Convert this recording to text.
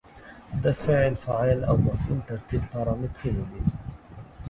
د فعل، فاعل او مفعول ترتیب پارامترونه دي.